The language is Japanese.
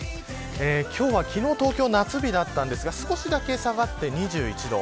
今日は、昨日は東京夏日だったんですが少しだけ下がって２１度。